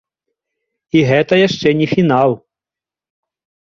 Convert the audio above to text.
І гэта яшчэ не фінал.